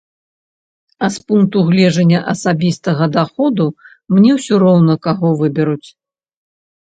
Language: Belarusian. А з пункту гледжання асабістага даходу мне ўсё роўна, каго выберуць.